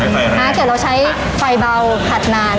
แต่เราใช้ไฟเบ่าผัดนาน